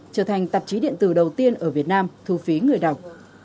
trở thành tạp chí điện tử đầu tiên ở việt nam thu phí người đọc